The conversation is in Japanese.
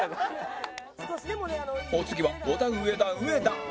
お次はオダウエダ植田